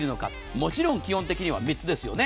もちろん基本的には３つですよね。